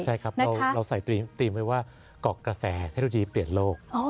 ใช่ครับเราใส่ตรีมไว้ว่าเกาะกระแสเทคโนโลยีเปลี่ยนโลก